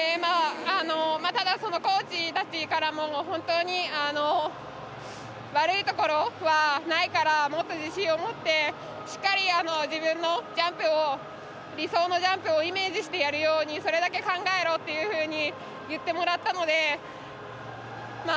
ただ、コーチたちからも本当に悪いところはないからもっと自信を持ってしっかり自分のジャンプを理想のジャンプをイメージしてやるようにそれだけ考えろというふうに言ってもらったので。